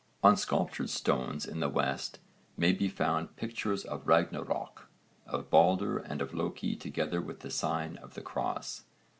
On sculptured stones in the west may be found pictures of Ragnarök, of Balder and of Loki together with the sign of the cross.